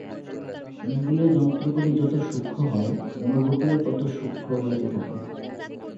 ইন্দ্রিয়যন্ত্রগুলি যত সূক্ষ্ম হয়, অনুভূতিও তত সূক্ষ্ম হইতে থাকে।